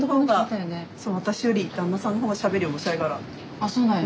あそうなんや。